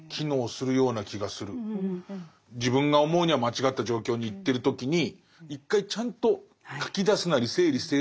自分が思うには間違った状況に行ってる時に一回ちゃんと書き出すなり整理整頓していくところからだね。